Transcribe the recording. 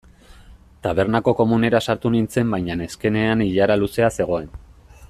Tabernako komunera sartu nintzen baina neskenean ilara luzea zegoen.